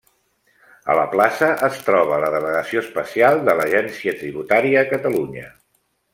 A la plaça es troba la Delegació Especial de l'Agència Tributària a Catalunya.